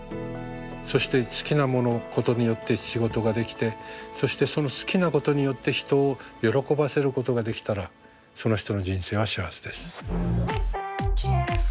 そして好きなものことによって仕事ができてそしてその好きなことによって人を喜ばせることができたらその人の人生は幸せです。